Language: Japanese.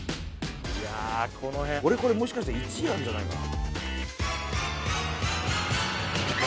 いやこの辺俺これもしかしたら１位あんじゃないかな？